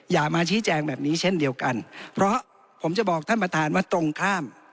อย่ามาชี้แจงแบบนี้เช่นเดียวกันเพราะผมจะบอกท่านประธานว่าตรงข้าม